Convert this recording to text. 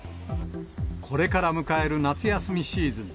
これから迎える夏休みシーズン。